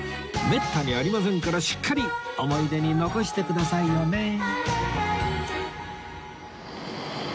めったにありませんからしっかり思い出に残してくださいよね